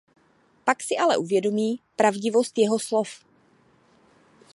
Pak si ale uvědomí pravdivost jeho slov.